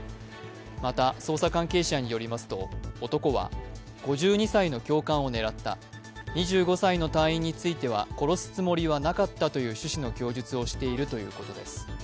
また、捜査関係者によりますと男は５２歳の教官を狙った２５歳の隊員については殺すつもりはなかったという趣旨の供述をしているということです。